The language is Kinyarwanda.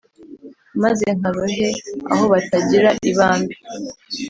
Maze nkarohe aho batagira ibambe